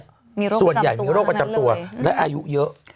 มีโรคประจำตัวส่วนใหญ่มีโรคประจำตัวและอายุเยอะ